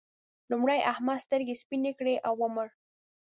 لومړی احمد سترګې سپينې کړې او ومړ.